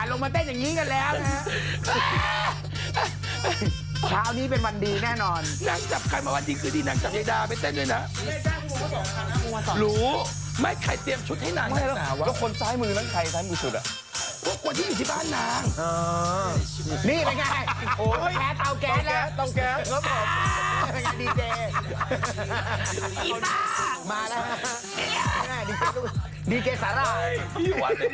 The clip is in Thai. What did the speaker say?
เล่นเอยตอบนี่